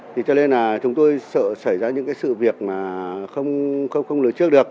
thì cho nên là chúng tôi sợ xảy ra những cái sự việc mà không lường trước được